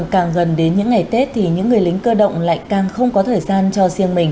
càng gần đến những ngày tết thì những người lính cơ động lại càng không có thời gian cho riêng mình